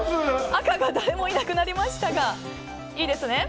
赤が誰もいなくなりましたがいいですね。